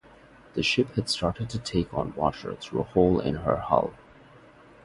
The ship had started to take on water through a hole in her hull.